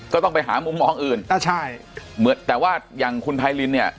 ก็ต้องไปหามุมมองอื่นอ่าใช่เหมือนแต่ว่าอย่างคุณไพรินเนี่ย